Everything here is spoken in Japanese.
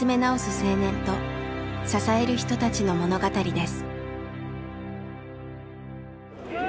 青年と支える人たちの物語です。